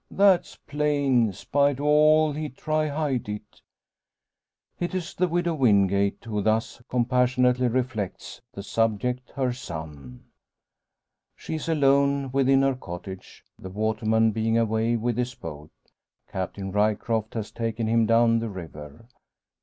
That's plain spite o' all he try hide it." It is the Widow Wingate, who thus compassionately reflects the subject her son. She is alone within her cottage, the waterman being away with his boat. Captain Ryecroft has taken him down the river.